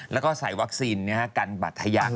แล้วก็ใส่วัคซีนนะการบรรทะยักษ์